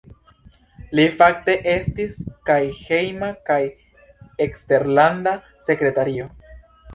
Li fakte estis kaj Hejma kaj Eksterlanda Sekretario.